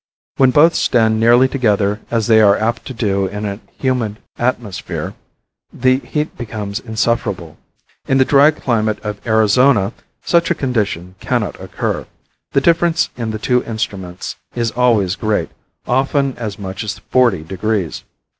When both stand nearly together as they are apt to do in a humid atmosphere, the heat becomes insufferable. In the dry climate of Arizona such a condition cannot occur. The difference in the two instruments is always great, often as much as forty degrees.